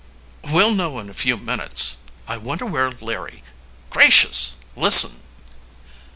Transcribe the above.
"We'll know in a few minutes. I wonder where Larry Gracious, listen!"